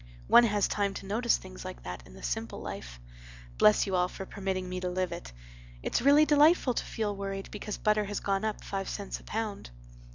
One has time to notice things like that in the simple life. Bless you all for permitting me to live it. It's really delightful to feel worried because butter has gone up five cents a pound."